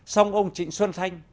song ông trịnh xuân thanh